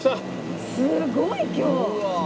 すごい今日。